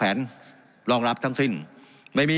การปรับปรุงทางพื้นฐานสนามบิน